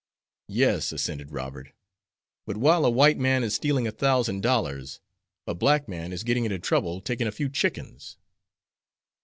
"Yes," assented Robert, "but while a white man is stealing a thousand dollars, a black man is getting into trouble taking a few chickens."